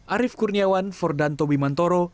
arief kurniawan fordan tobi mantoro